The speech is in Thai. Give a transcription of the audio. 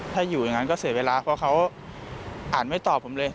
ถ้าอยู่อย่างนั้นก็เสียเวลาเพราะเขาอ่านไม่ตอบผมเลย